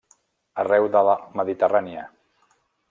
Arreu de la Mediterrània.